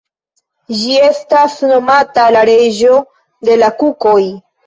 Ĝi estas nomata la „reĝo de la kukoj“.